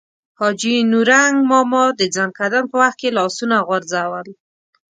حاجي نورنګ ماما د ځنکدن په وخت کې لاسونه غورځول.